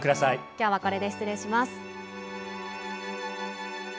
「今日はこれで失礼します」。